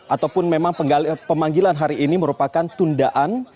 ataupun memang pemanggilan hari ini merupakan tundaan